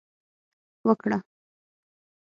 وکړه